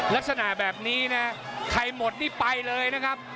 ลักษณะแบบนี้นะใครหมดนี่ไปเลยนะครับ